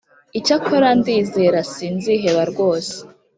Icyakora ndizera sinziheba rwose